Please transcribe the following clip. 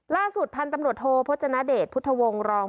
ล่าสุดท่านตำรวจโทพจนเดชน์พุทธวงศ์รอง